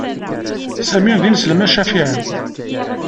Sami d ineslem acafiɛi.